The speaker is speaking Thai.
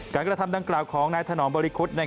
กระทำดังกล่าวของนายถนอมบริคุฎ